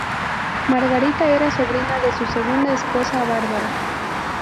Margarita era sobrina de su segunda esposa Bárbara.